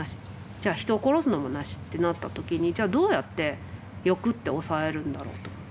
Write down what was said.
じゃあ人を殺すのもなし」ってなった時にじゃあどうやって欲って抑えるんだろうと思って。